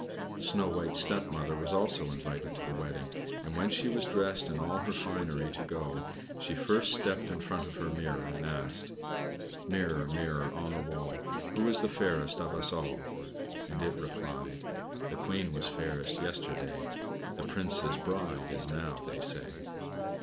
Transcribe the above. Snow White's stepmother was also invited to the wedding, and when she was dressed in all her finery to go, she first stepped in front of her mirror and asked: "Mirror, mirror on the wall, Who is the fairest of us all?" and it replied: "The Queen was fairest yesterday; The Prince's bride is now, they say."